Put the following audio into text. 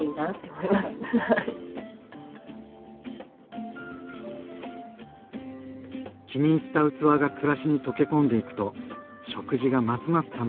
気に入った器が暮らしに溶け込んでいくと食事がますます楽しくなりますね。